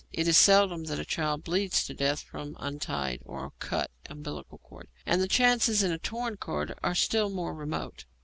It is seldom that a child bleeds to death from an untied or cut umbilical cord, and the chances in a torn cord are still more remote.